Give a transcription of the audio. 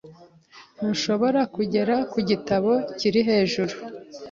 Ntushobora kugera ku gitabo kiri hejuru?